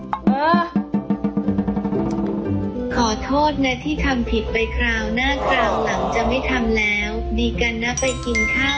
ดีกันนะไปกินข้าวกันหนึ่งได้แล้วเย่หนึ่งแล้ว